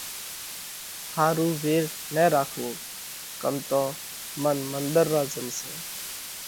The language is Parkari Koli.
ۿارُو وير نہ راکوو ڪم تو من منۮر را زم سئہ